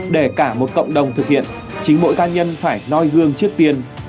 để cả một cộng đồng thực hiện chính mỗi ca nhân phải noi gương trước tiên